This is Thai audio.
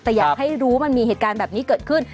แต่อยากให้รู้ว่ามันมีเหตุการณ์แบบนี้เกิดขึ้น